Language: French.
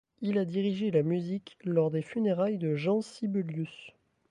Il a dirigé la musique lors des funérailles de Jean Sibelius.